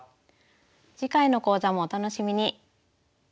次回の講座もお楽しみに。